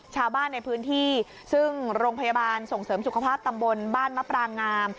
ชาวบ้านในพื้นที่ซึ่งโรงพยาบาลส่งเสริมสุขภาพตำบลบ้านมะปรางงาม